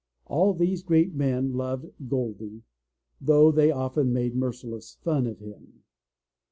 All these great men loved "Goldy,'* though they often made merciless fun of him.